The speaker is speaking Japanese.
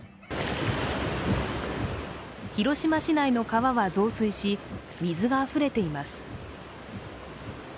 広島市内の川は増水し水があふれています。